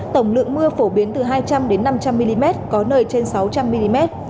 tổng lượng mưa phổ biến từ hai trăm linh năm trăm linh mm có nơi trên sáu trăm linh mm